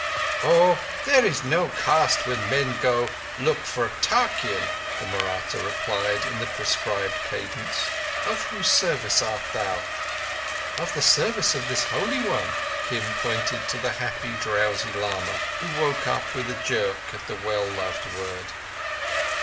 "Oh, there is no caste where men go to—look for tarkeean," the Mahratta replied, in the prescribed cadence. "Of whose service art thou?" "Of the service of this Holy One." Kim pointed to the happy, drowsy lama, who woke with a jerk at the well loved word.